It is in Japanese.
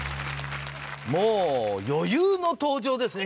もう余裕の登場ですね